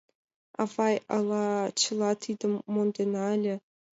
— Авай, ала чыла тидым мондена ыле.